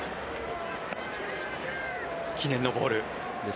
記念のボール。